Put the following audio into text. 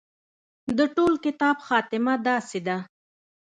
د ټول کتاب خاتمه داسې ده.